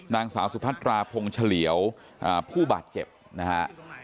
นางสาวสุพัตราพงษเฉลี่ยวผู้บาดเจ็บนะฮะ